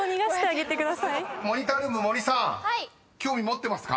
［モニタールーム森さん興味持ってますか？］